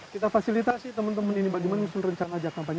kita fasilitasi temen temen ini bagaimana menunjukkan rencana ajak kampanye